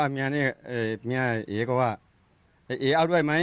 มีะเอ๊ก็บอกว่าเอ๊เอ้าด้วยไหม